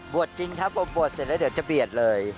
จริงครับผมบวชเสร็จแล้วเดี๋ยวจะเบียดเลย